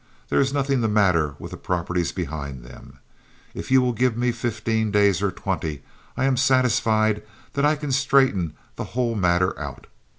There is nothing the matter with the properties behind them. If you will give me fifteen days or twenty, I am satisfied that I can straighten the whole matter out.